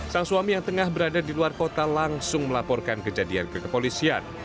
sang suami yang tengah berada di luar kota langsung melaporkan kejadian ke kepolisian